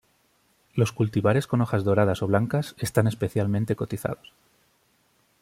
Los cultivares con hojas doradas o blancas están especialmente cotizados.